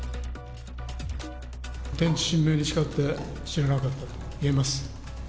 天地神明に誓って知らなかったといえます。